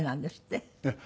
ええ。